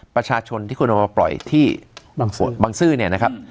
ประชาชนที่คุณเอามาปล่อยที่บังซื้อเนี่ยนะครับ